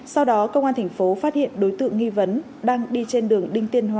sau đó công an tp phát hiện đối tượng nghi vấn đang đi trên đường đinh tiên hòa